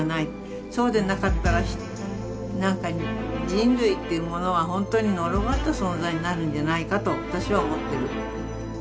そうでなかったら何か人類というものは本当に呪われた存在になるんじゃないかと私は思ってる。